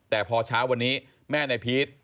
แต่พอเช้าวันนี้แม่นายพีช